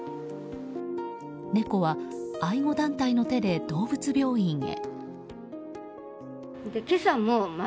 猫は愛護団体の手で動物病院へ。